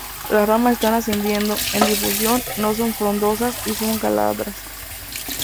Las ramas están ascendiendo, en difusión, no son frondosas y son glabras.